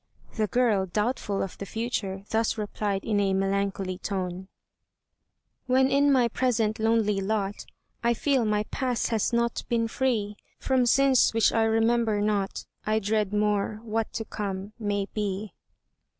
The girl, doubtful of the future, thus replied in a melancholy tone: "When in my present lonely lot, I feel my past has not been free From sins which I remember not, I dread more, what to come, may be."